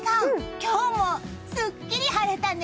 今日もすっきり晴れたね。